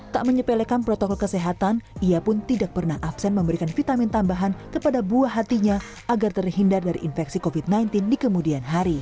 tak menyepelekan protokol kesehatan ia pun tidak pernah absen memberikan vitamin tambahan kepada buah hatinya agar terhindar dari infeksi covid sembilan belas di kemudian hari